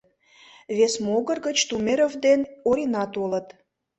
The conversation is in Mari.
Вес могыр гыч Тумеров ден Орина толыт.